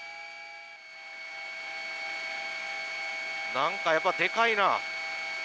何か、やっぱりでかいな。